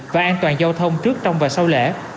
và an toàn giao thông trước trong và sau lễ